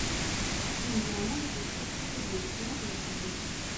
هندوانه د پوستکي روڼتیا زیاتوي.